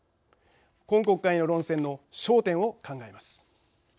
今国会の論戦の焦点を考えます。